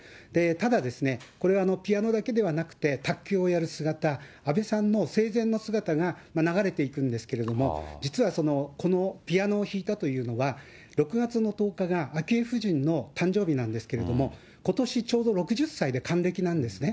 ただ、これはピアノだけではなくて、をやる姿、安倍さんの生前の姿が流れていくんですけれども、実はこのピアノを弾いたというのは、６月の１０日が昭恵夫人の誕生日なんですけれども、ことしちょうど６０歳で還暦なんですね。